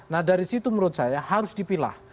nah dari situ menurut saya harus dipilah